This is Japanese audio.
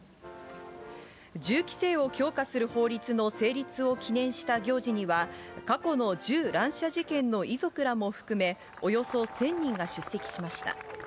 銃規制を強化する法律の成立を記念した行事には、過去の銃乱射事件の遺族らも含めおよそ１０００人が出席しました。